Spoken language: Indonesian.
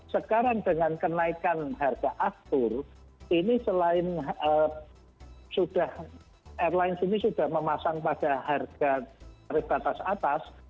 sekarang dengan kenaikan harga aftur ini selain sudah airlines ini sudah memasang pada harga tarif batas atas